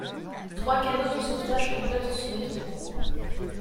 Trois canots de sauvetages complètent son équipement.